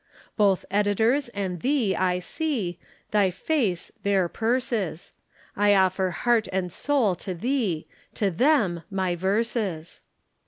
"'Both editors and thee I see, Thy face, their purses. I offer heart and soul to thee, To them my verses.'